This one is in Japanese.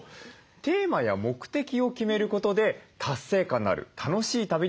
テーマや目的を決めることで達成感のある楽しい旅になるそうです。